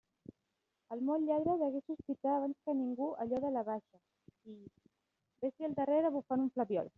El molt lladre degué sospitar abans que ningú allò de la baixa, i... vés-li al darrere bufant un flabiol!